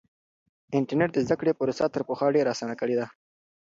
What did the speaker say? انټرنیټ د زده کړې پروسه تر پخوا ډېره اسانه کړې ده.